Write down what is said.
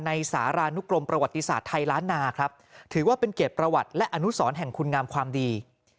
สารานุกรมประวัติศาสตร์ไทยล้านนาครับถือว่าเป็นเกียรติประวัติและอนุสรแห่งคุณงามความดี